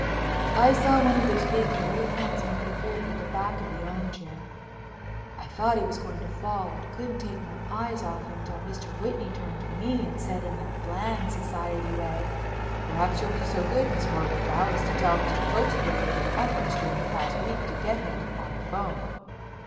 I saw one of those big, hairy hands make a grip at the back of the armchair. I thought he was going to fall and couldn't take my eyes off him till Mr. Whitney turned to me and said in that bland society way: "Perhaps you'll be so good, Miss Morganthau, as to tell Mr. Cokesbury of your efforts during the past week to get him on the phone."